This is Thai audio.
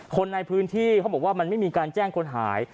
คนในพื้นที่เขาบอกว่ามันไม่มีการแจ้งคนหาย